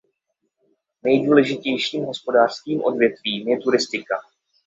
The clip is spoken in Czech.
Nejdůležitějším hospodářským odvětvím je turistika.